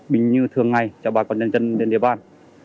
bình như thường ngày cho bà con nhân dân trên địa bàn